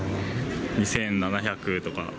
２７００とか？